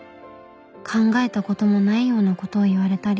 考えたこともないようなことを言われたり